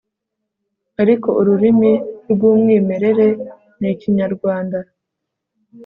Ariko ururimi rw umwimerere ni ikinyarwanda